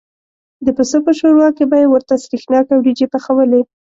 د پسه په شوروا کې به یې ورته سرېښناکه وریجې پخوالې.